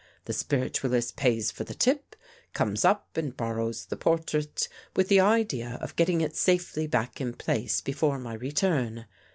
The spiritualist pays for the tip, comes up and borrows the portrait, with the idea of getting it safely back in place before my re turn.